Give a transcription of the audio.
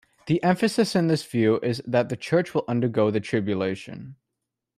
The emphasis in this view is that the church will undergo the tribulation.